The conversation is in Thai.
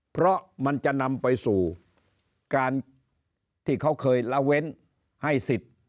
เพราะมันจะนำไปสู่การที่เขาเคยละเว้นให้สิทธิ์